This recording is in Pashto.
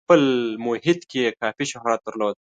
په خپل محیط کې یې کافي شهرت درلود.